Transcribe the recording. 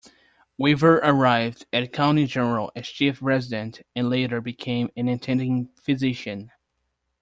Weaver arrived at County General as Chief Resident and later became an attending physician.